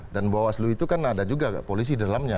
dan bawaslu itu kan ada juga polisi dalamnya